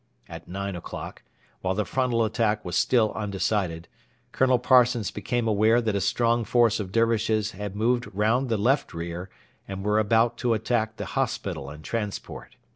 At nine o'clock, while the frontal attack was still undecided, Colonel Parsons became aware that a strong force of Dervishes had moved round the left rear and were about to attack the hospital and transport.